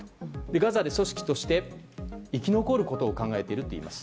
ガザで組織として生き残ることを考えているといいます。